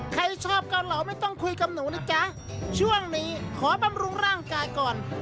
ใครชอบเกาเหลาไม่ต้องคุยกับหนูนะจ๊ะช่วงนี้ขอบำรุงร่างกายก่อน